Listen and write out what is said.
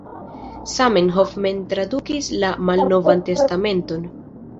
Zamenhof mem tradukis la Malnovan Testamenton.